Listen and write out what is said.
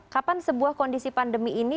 kapan sebuah kondisi pandemi ini